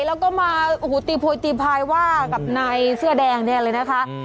แล้วก็มาโอ้โหตีโพยตีพายว่ากับนายเสื้อแดงเนี่ยเลยนะคะ